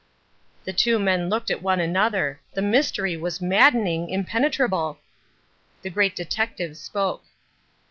The two men looked at one another. The mystery was maddening, impenetrable. The Great Detective spoke.